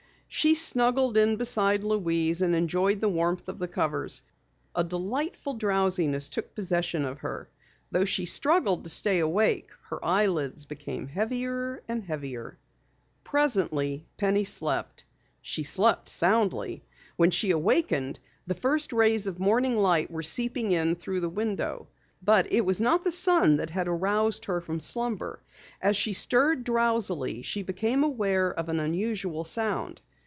She snuggled in beside Louise and enjoyed the warmth of the covers. A delightful drowsiness took possession of her. Though she struggled to stay awake, her eyelids became heavier and heavier. Presently Penny slept. She slept soundly. When she awakened, the first rays of morning light were seeping in through the window. But it was not the sun that had aroused her from slumber. As she stirred drowsily, she became aware of an unusual sound.